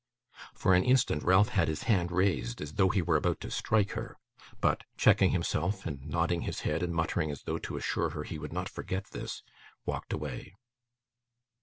For an instant Ralph had his hand raised, as though he were about to strike her; but, checking himself, and nodding his head and muttering as though to assure her he would not forget this, walked away.